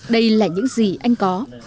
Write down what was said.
đây là những gì anh có